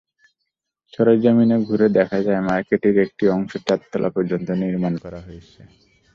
সরেজমিনে ঘুরে দেখা যায়, মার্কেটের একটি অংশে চারতলা পর্যন্ত নির্মাণ করা হয়েছে।